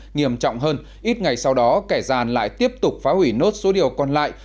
nghiêm trọng hơn ít ngày sau đó kẻ gian lại tiếp tục phá hủy nốt số điều còn lại